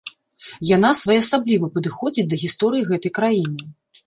Яна своеасабліва падыходзіць да гісторыі гэтай краіны.